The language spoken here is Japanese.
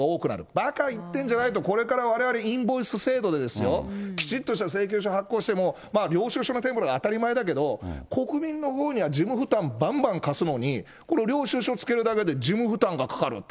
ばか言ってんじゃない、これからわれわれ、インボイス制度でですよ、きちっとした請求書発行しても、領収書の添付なんか当たり前だけど、国民のほうには事務負担をばんばん課すのに、この領収書つけるだけで事務負担がかかるって。